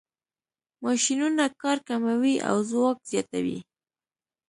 ماشینونه کار کموي او ځواک زیاتوي.